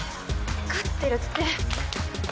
分かってるって